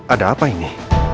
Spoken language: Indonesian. ada apa ini